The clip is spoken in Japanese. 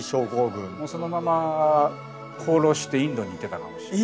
そのまま放浪してインドに行ってたかもしれない。